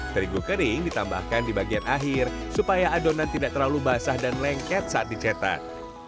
terigu kering ditambahkan di bagian akhir supaya adonan tidak terlalu basah dan lengket saat dicetak